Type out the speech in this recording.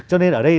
cho nên ở đây